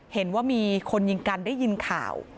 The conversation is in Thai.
เห็นว่ามีคนยิงกันได้ยินข่าว